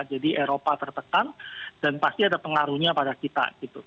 jadi eropa tertekan dan pasti ada pengaruhnya pada kita gitu